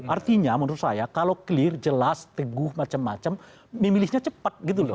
artinya menurut saya kalau jelas teguh macam macam memilihnya cepat